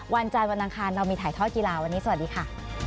วันจันทร์วันอังคารเรามีถ่ายทอดกีฬาวันนี้สวัสดีค่ะ